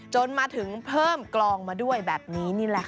จนมาถึงเพิ่มกลองมาด้วยแบบนี้นี่แหละค่ะ